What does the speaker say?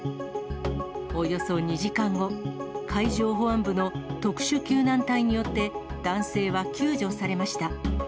およそ２時間後、海上保安部の特殊救難隊によって、男性は救助されました。